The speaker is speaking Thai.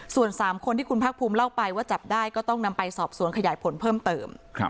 ส่วน๓คนที่คุณภาคภูมิเล่าไปว่าจับได้ก็ต้องนำไปสอบสวนขยายผลเพิ่มเติม